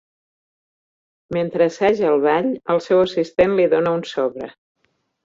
Mentre assaja el ball, el seu assistent li dóna un sobre.